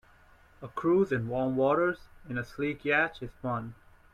A cruise in warm waters in a sleek yacht is fun.